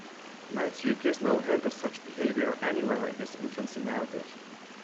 Matthew gives no hint of such behaviour anywhere in his infancy narrative.